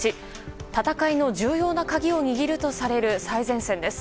戦いの重要な鍵を握るとされる最前線です。